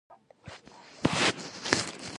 د شیدو د پاکوالي لپاره باید څه وکړم؟